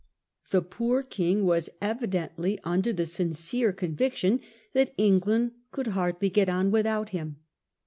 The poor King was evidently under the sincere conviction that England could hardly get on without him.